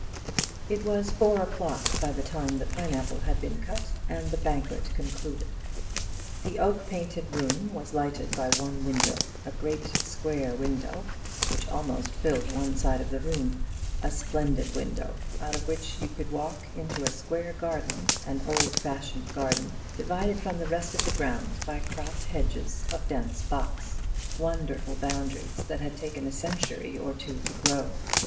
It was four o'clock by the time the pine apple had been cut, and the banquet concluded. The oak painted room was lighted by one window a great square window which almost filled one side of the room; a splendid window, out of which you could walk into a square garden an old fashioned garden divided from the rest of the grounds by cropped hedges of dense box; wonderful boundaries, that had taken a century or two to grow.